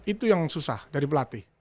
itu yang susah dari pelatih